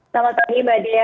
selamat pagi mbak dia